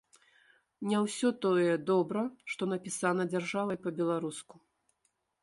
Не ўсё тое добра, што напісана дзяржавай па-беларуску.